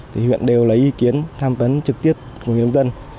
thì huyện đều lấy ý kiến tham vấn trực tiếp của người dân